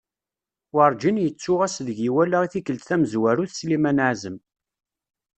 Werğin yettu ass deg iwala i tikelt tamezwarut Sliman Azem.